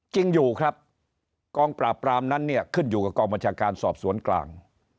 จริงอยู่ครับกองปราบปรามนั้นเนี่ยขึ้นอยู่กับกองบัญชาการสอบสวนกลาง